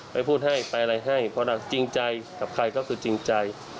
ไปพูดให้ไปอะไรให้เพราะนางจริงใจกับใครก็คือจริงใจ